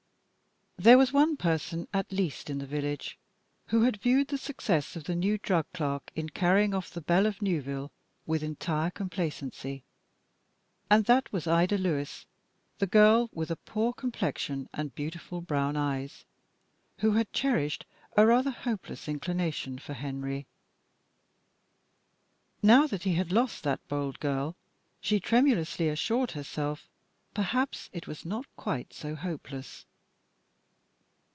There was one person, at least, in the village who had viewed the success of the new drug clerk in carrying off the belle of Newville with entire complacency, and that was Ida Lewis, the girl with a poor complexion and beautiful brown eyes, who had cherished a rather hopeless inclination for Henry; now that he had lost that bold girl, she tremulously assured herself, perhaps it was not quite so hopeless.